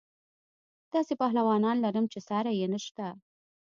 داسې پهلوانان لرم چې ساری یې نشته.